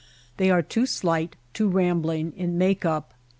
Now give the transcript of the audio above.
They are too slight, too rambling in make up.